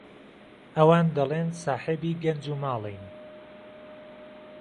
ئەوان دهڵین ساحێبی گهنج و ماڵين